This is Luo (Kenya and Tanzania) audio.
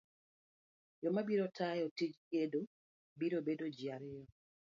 Joma biro tayo tij gedo biro bedo ji ariyo.